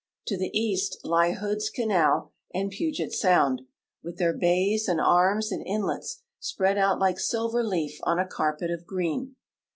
To the east lie Hood's canal and Puget sound, with their bays and arms and inlets si)read out like silver leaf on a carpet of green.